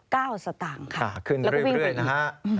ขึ้นเรื่อยนะครับ